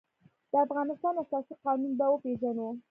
د افغانستان اساسي قانون به وپېژنو.